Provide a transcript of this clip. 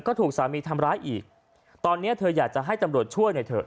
ก็ถูกสามีทำร้ายอีกตอนเนี้ยเธออยากจะให้ตำรวจช่วยหน่อยเถอะ